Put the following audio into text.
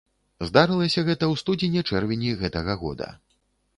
Здарылася гэта ў студзені-чэрвені гэтага года.